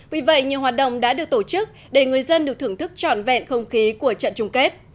vì vậy nhiều hoạt động đã được tổ chức để người dân được thưởng thức trọn vẹn không khí của trận chung kết